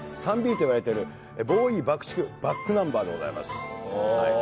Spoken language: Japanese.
３Ｂといわれているボウイ、バクチク、バックナンバーでございます。